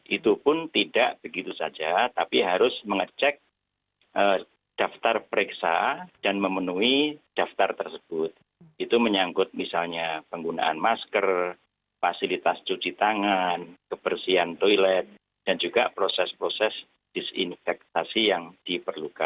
itu pun tidak begitu saja tapi harus mengecek